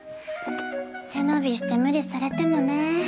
背伸びして無理されてもねぇ。